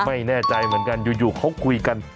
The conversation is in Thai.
ไม่แน่ใจเหมือนกันอยู่เขาคุยกัน